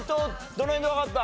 どの辺でわかった？